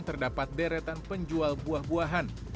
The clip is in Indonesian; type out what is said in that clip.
terdapat deretan penjual buah buahan